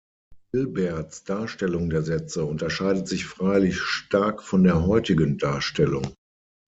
Hilberts Darstellung der Sätze unterscheidet sich freilich stark von der heutigen Darstellung.